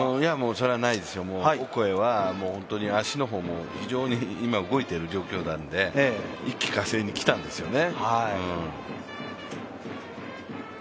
それはないですよ、もうオコエは足の方も動いている状況なんで一気かせいにきたんですよね。